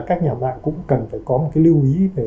các nhà mạng cũng cần phải có một cái lưu ý